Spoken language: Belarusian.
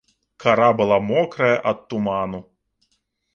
Кара была мокрая ад туману.